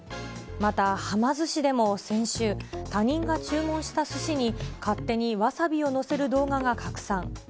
また、はま寿司でも先週、他人が注文したすしに勝手にわさびを載せる動画が拡散。